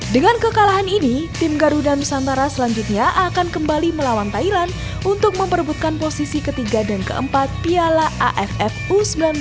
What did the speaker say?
dengan kekalahan ini tim garuda nusantara selanjutnya akan kembali melawan thailand untuk memperbutkan posisi ketiga dan keempat piala affu sembilan belas dua ribu delapan belas